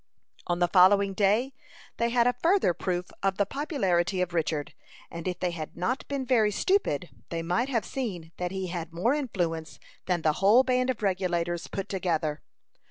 On the following day they had a further proof of the popularity of Richard, and if they had not been very stupid, they might have seen that he had more influence than the whole band of Regulators put together.